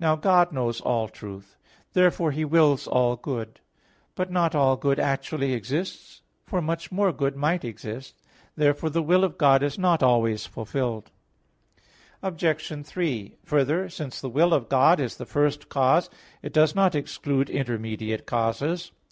Now God knows all truth. Therefore He wills all good. But not all good actually exists; for much more good might exist. Therefore the will of God is not always fulfilled. Obj. 3: Further, since the will of God is the first cause, it does not exclude intermediate causes.